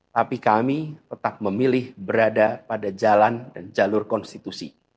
tapi kami tetap memilih berada pada jalan dan jalur konstitusi